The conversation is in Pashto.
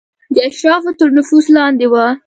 د اشرافو تر نفوذ لاندې وه.